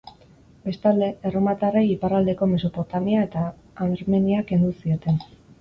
Bestalde, erromatarrei iparraldeko Mesopotamia eta Armenia kendu zieten.